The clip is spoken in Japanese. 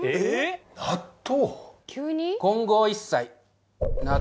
納豆？